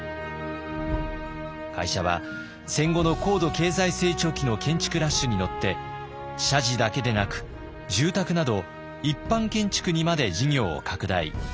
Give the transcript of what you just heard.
会社は戦後の高度経済成長期の建築ラッシュに乗って社寺だけでなく住宅など一般建築にまで事業を拡大。